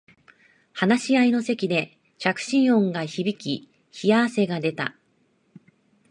話し合いの席で着信音が響き冷や汗が出た